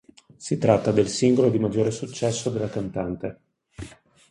Si tratta del singolo di maggiore successo della cantante.